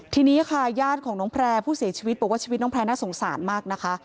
ทีนี้ค่ะญาติของน้องแพร่ผู้เสียชีวิตบอกว่าชีวิตน้องแพร่น่าสงสารมากนะคะ